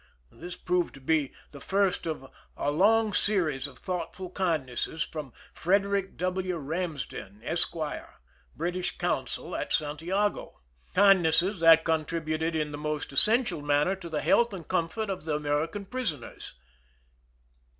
This proved to be the first of a long series of thoughtful kindnesses from Frederick W. Ramsden, Esq., British consul at Santiago— kindnesses that contributed in the most essential manner to the health and comfort of the American prisoners.